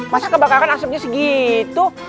masa kebakaran asepnya segitu